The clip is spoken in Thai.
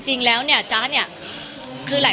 จริงแล้วเนี่ยอาจารย์เนี่ย